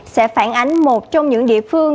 sẽ phản ánh một trong những địa phương